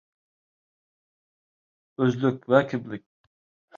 ئۆزلۈك ۋە كىملىك